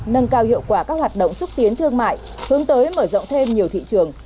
nâng cao hiệu quả các hoạt động xúc tiến thương mại hướng tới mở rộng thêm nhiều thị trường